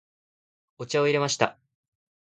お茶を入れました。